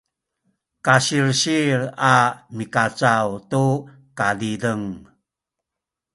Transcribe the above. kasilsil a mikacaw tu kazizeng